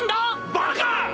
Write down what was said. バカ！